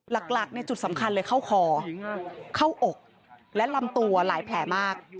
หลักในจุดสำคัญเลยเข้าคอเข้าอกและลำตัวหลายแผลมาก